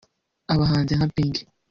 Abahanzi nka Pink